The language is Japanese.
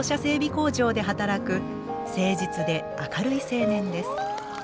工場で働く誠実で明るい青年です。